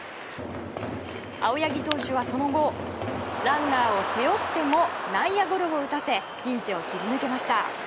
青柳投手はその後ランナーを背負っても内野ゴロを打たせピンチを切り抜けました。